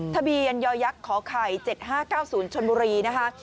ทะเบียนยอยักษ์ขอไข่๗๕๙๐ชนบุรีนะคะ